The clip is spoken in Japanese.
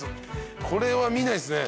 これは見ないっすね。